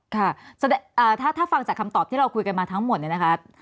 ค่ะถ้าฟังจากคำตอบที่เราคุยกันมาทั้งหมดเนี่ยนะคะ